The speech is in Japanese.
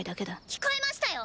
聞こえましたよ！